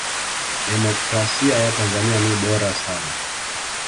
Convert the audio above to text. demokrasia ya tanzania ni bora sana